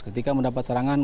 mereka mendapatkan serangan